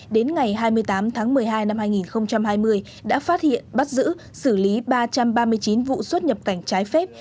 đến ngày hai mươi tám tháng một mươi hai năm hai nghìn hai mươi đã phát hiện bắt giữ xử lý ba trăm ba mươi chín vụ xuất nhập cảnh trái phép